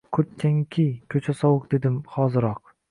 “Kurtkangni kiy, ko‘cha sovuq, dedim, hoziroq”